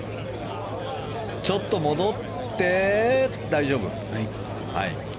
ちょっと戻って、大丈夫。